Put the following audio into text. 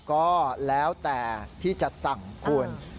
ก็แล้วแต่ที่จะสั่งคุณ